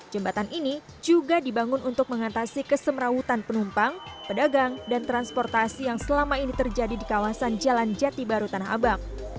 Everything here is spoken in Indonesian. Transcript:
jembatan ini juga dibangun untuk mengatasi kesemrawutan penumpang pedagang dan transportasi yang selama ini terjadi di kawasan jalan jati baru tanah abang